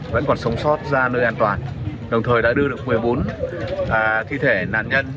vẫn còn sống sót ra nơi an toàn đồng thời đã đưa được một mươi bốn thi thể nạn nhân